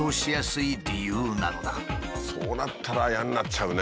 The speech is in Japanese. そうなったら嫌になっちゃうね。